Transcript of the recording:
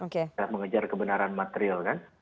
kita mengejar kebenaran material kan